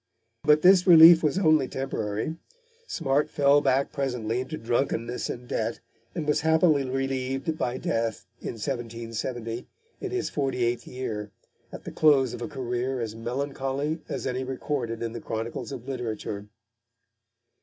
But this relief was only temporary; Smart fell back presently into drunkenness and debt, and was happily relieved by death in 1770, in his forty eighth year, at the close of a career as melancholy as any recorded in the chronicles of literature.